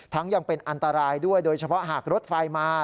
ยังเป็นอันตรายด้วยโดยเฉพาะหากรถไฟมา